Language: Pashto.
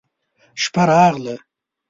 شپه راغله.